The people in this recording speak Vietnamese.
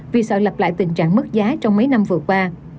vì sợ lặp lại tình trạng mất giá trong mấy năm vừa qua